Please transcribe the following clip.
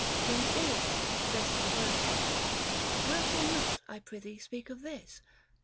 When Ilia, Vestal Virgin, — wherefore not, I pry thee, speak of this ?